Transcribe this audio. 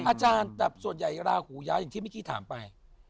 อาจารย์แต่ส่วนใหญ่ราหูย้ายอย่างที่เมื่อกี้ถามไป